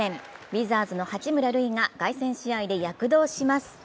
ウィザーズの八村塁が凱旋試合で躍動します。